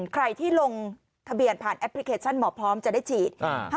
ใครที่ลงทะเบียนผ่านแอปพลิเคชันหมอพร้อมจะได้ฉีด